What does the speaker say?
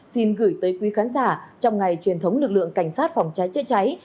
xin gửi tới quý khán giả trong ngày truyền thống lực lượng cảnh sát phòng cháy chữa cháy